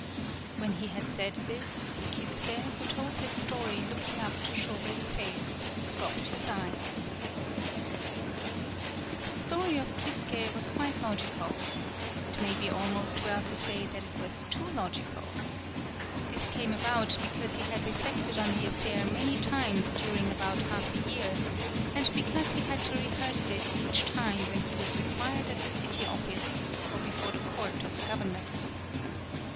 When he had said this, Kisuke, who told his story looking up to Shobei's face, dropped his eyes. The story of Kisuke was quite log ical. It may be almost well to say that it was too logical. This came about be cause he had reflected on the affair many times during about half a year, and because he had to rehearse it each time when he was required at the city office, or before the court of the gov ernment.